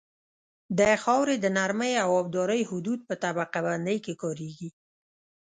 د خاورې د نرمۍ او ابدارۍ حدود په طبقه بندۍ کې کاریږي